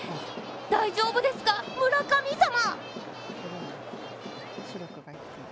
大丈夫ですか、村神様。